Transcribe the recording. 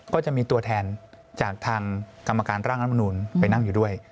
ก็จะมีตัวแทนจากทางกรรมการร่างรัฐมนูลไปนั่งอยู่ด้วย